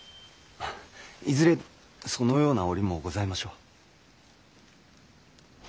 いずれそのような折もございましょう。